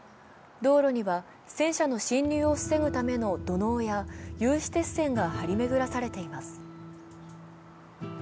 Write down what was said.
道路には戦車の侵入を防ぐための土のうや有刺鉄線が張り巡らされています。